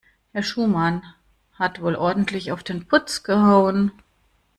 Herr Schumann hat wohl ordentlich auf den Putz gehauen.